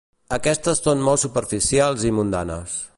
Aquestes són molt superficials i mundanes.